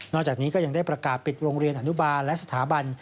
จากนี้ก็ยังได้ประกาศปิดโรงเรียนอนุบาลและสถาบัน